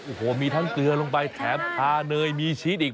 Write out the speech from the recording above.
โอ้โหมีทั้งเกลือลงไปแถมทาเนยมีชีสอีก